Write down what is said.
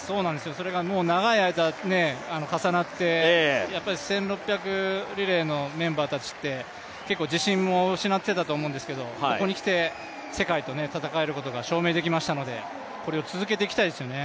それがもう長い間重なって、１６００リレーのメンバーたちって、結構自信も失っていたと思うんですけどここにきて世界で戦えることが証明できましたのでこれを続けていきたいですよね。